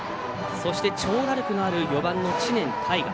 そして、長打力のある４番の知念大河。